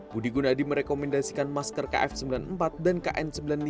budi gunadi merekomendasikan masker kf sembilan puluh empat dan kn sembilan puluh lima